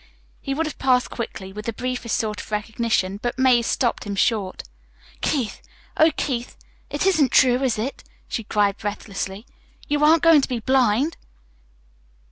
He would have passed quickly, with the briefest sort of recognition, but Mazie stopped him short. "Keith, oh, Keith, it isn't true, is it?" she cried breathlessly. "You aren't going to be blind?"